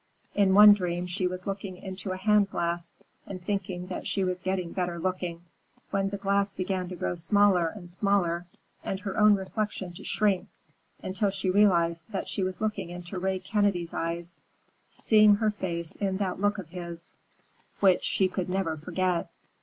In one dream she was looking into a hand glass and thinking that she was getting better looking, when the glass began to grow smaller and smaller and her own reflection to shrink, until she realized that she was looking into Ray Kennedy's eyes, seeing her face in that look of his which she could never forget.